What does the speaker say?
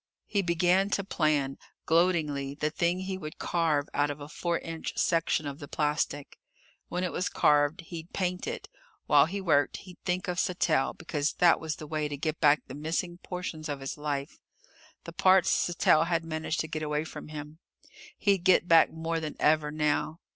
He began to plan, gloatingly, the thing he would carve out of a four inch section of the plastic. When it was carved, he'd paint it. While he worked, he'd think of Sattell, because that was the way to get back the missing portions of his life the parts Sattell had managed to get away from him. He'd get back more than ever, now!